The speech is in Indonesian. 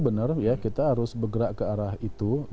benar ya kita harus bergerak ke arah itu